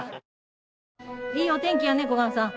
いいお天気やね小雁さん。